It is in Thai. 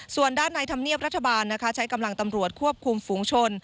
ส่วนด้านในธรรมเนียบรัฐบาลนะคะใช้กำลังตำรวจควบคุมฝูงชน